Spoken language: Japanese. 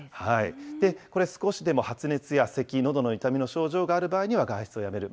これ、少しでも発熱やせき、のどの痛みの症状がある場合には外出をやめる。